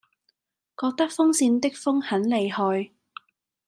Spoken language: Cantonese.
覺得風扇的風很厲害